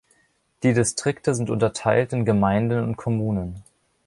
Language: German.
Die Distrikte sind unterteilt in Gemeinden und Kommunen.